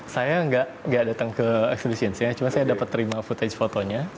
saya nggak datang ke exhibition cuma saya dapat terima footage fotonya